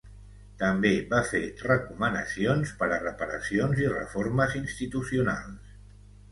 També va fer recomanacions per a reparacions i reformes institucionals.